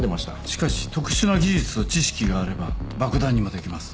しかし特殊な技術と知識があれば爆弾にもできます。